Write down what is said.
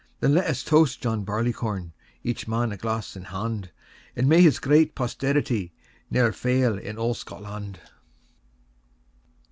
XV. Then let us toast John Barleycorn, Each man a glass in hand; And may his great posterity Ne'er fail in old Scotland!